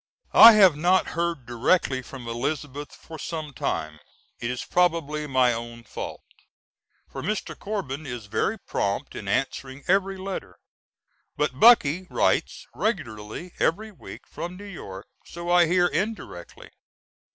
I have not heard directly from Elizabeth for some time; it is probably my own fault, for Mr. Corbin is very prompt in answering every letter; but Bucky writes regularly every week from New York, so I hear indirectly.